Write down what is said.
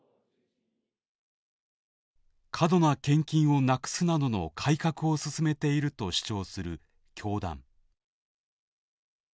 過度な献金をなくすなどの改革を進めていると主張する教団。